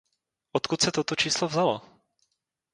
Odkud se toto číslo vzalo?